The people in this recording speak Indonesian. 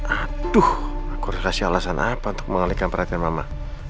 aduh aku dikasih alasan apa untuk mengalihkan perhatian mama